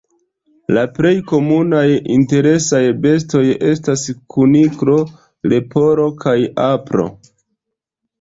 La plej komunaj interesaj bestoj estas kuniklo, leporo kaj apro.